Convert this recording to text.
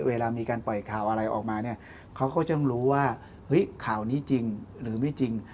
เวลามีการปล่อยข่าวอะไรออกมาเขาก็ต้องรู้ว่าข่าวนี้จริงหรือไม่จริง